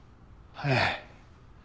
ええ。